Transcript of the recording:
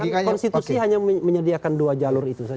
konstitusi hanya menyediakan dua jalur itu saja